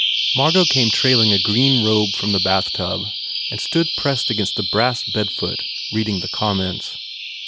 Margot came trailing a green robe from the bathtub and stood pressed against the brass bedfoot reading the comments.